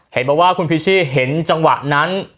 เห็นบอกว่าคุณพิชชี่เห็นจังหวะนั้น